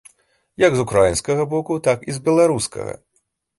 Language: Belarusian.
Як з украінскага боку, так і з беларускага.